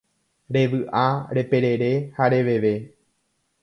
Revy'a, reperere ha reveve